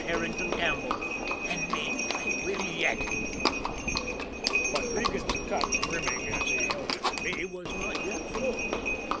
Herrington Campbell, "and mabbe I will yet!" But Regan's cup, brimming as he held it to be, was not yet full.